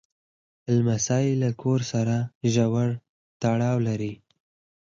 لمسی له کور سره ژور تړاو لري.